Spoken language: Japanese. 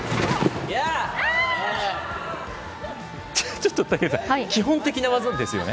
ちょっと竹内さん、基本的な技ですよね？